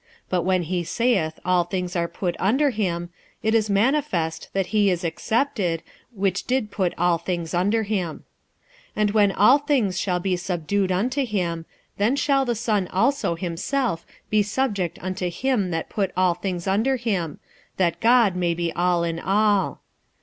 But when he saith all things are put under him, it is manifest that he is excepted, which did put all things under him. 46:015:028 And when all things shall be subdued unto him, then shall the Son also himself be subject unto him that put all things under him, that God may be all in all.